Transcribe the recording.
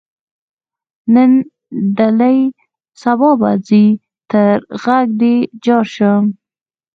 نن دلې سبا به ځې تر غږ دې جار شم.